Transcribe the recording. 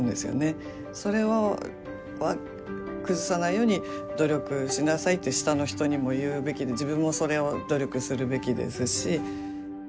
それは崩さないように努力しなさいって下の人にも言うべきで自分もそれを努力するべきですし。